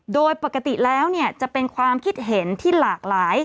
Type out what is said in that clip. โดยปกติแล้วจะเป็นความคิดเห็นที่หลากหลาย